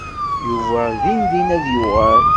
Yuba dindin ad d-yuɣal.